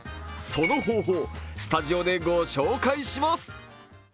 その方法、スタジオで御紹介します。